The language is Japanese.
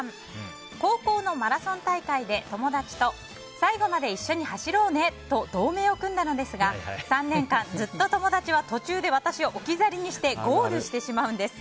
高校のマラソン大会で友達と最後まで一緒に走ろうねと同盟を組んだのですが３年間ずっと友達は途中で私を置き去りにしてゴールしてしまうんです。